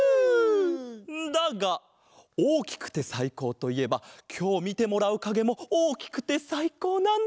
だがおおきくてさいこうといえばきょうみてもらうかげもおおきくてさいこうなんだ！